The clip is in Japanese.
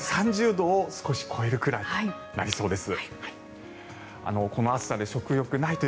３０度を少し超えるくらいになりそうです。